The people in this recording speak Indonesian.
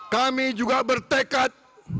kami juga bertekad